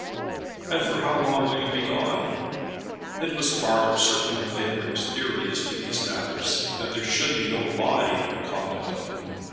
"And for how long will you be gone?" It was part of Sir Hugh Clavering's theory as to these matters that there should be no lying in the conduct of them.